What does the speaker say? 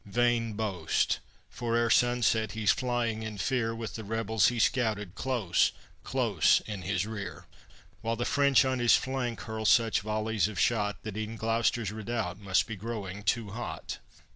Vain boast! for ere sunset he's flying in fear, With the rebels he scouted close, close in his rear, While the French on his flank hurl such volleys of shot That e'en Gloucester's redoubt must be growing too hot.